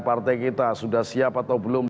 partai kita sudah siap atau belum